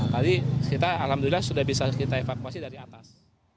tadi kita alhamdulillah sudah bisa kita evakuasi dari atas